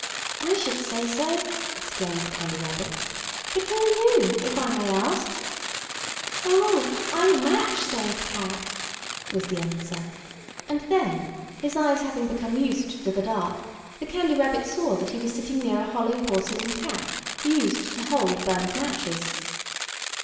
"I should say so!" exclaimed the Candy Rabbit. "But who are you, if I may ask?" "Oh, I'm a match safe Cat," was the answer, and then, his eyes having become used to the dark, the Candy Rabbit saw that he was sitting near a hollow porcelain Cat, used to hold burnt matches.